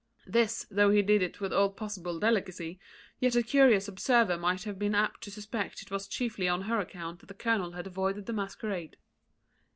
This, though he did with all possible delicacy, yet a curious observer might have been apt to suspect that it was chiefly on her account that the colonel had avoided the masquerade.